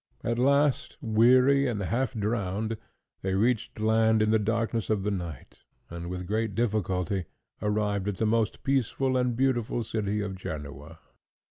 At last, weary and half drowned, they reached land in the darkness of the night, and with great difficulty arrived at the most peaceful and beautiful city of Genoa.